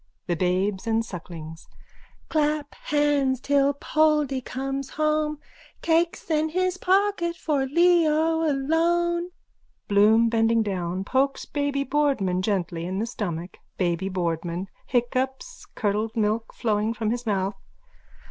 THE BABES AND SUCKLINGS: Clap clap hands till Poldy comes home, Cakes in his pocket for Leo alone. (Bloom, bending down, pokes Baby Boardman gently in the stomach.) BABY BOARDMAN: _(Hiccups, curdled milk flowing from his mouth.)